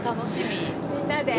みんなで。